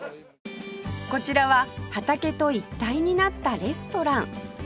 こちらは畑と一体になったレストラン